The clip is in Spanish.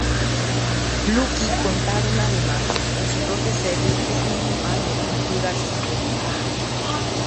Lucky" contaron, además, con su propia serie ese mismo año en "Pulgarcito".